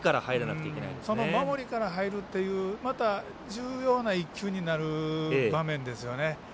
守りから入るっていう重要な１球になる場面ですね。